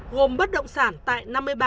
gồm bất động sản tại